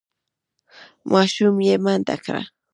ماشوم یې منډه کړه.